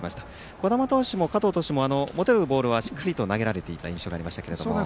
小玉投手も加藤投手も持てるボールはしっかり投げていた印象がありますけども。